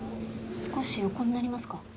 少し横になりますか？